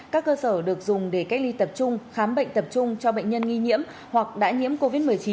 các cơ sở được dùng để cách ly tập trung khám bệnh tập trung cho bệnh nhân nghi nhiễm hoặc đã nhiễm covid một mươi chín